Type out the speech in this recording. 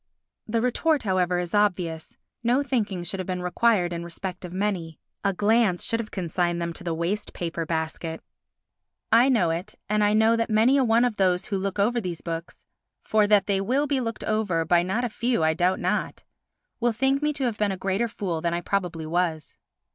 The retort, however, is obvious; no thinking should have been required in respect of many—a glance should have consigned them to the waste paper basket. I know it and I know that many a one of those who look over these books—for that they will be looked over by not a few I doubt not—will think me to have been a greater fool than I probably was.